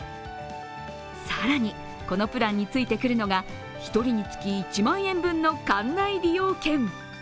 更に、このプランについてくるのが１人につき１万円分の館内利用券。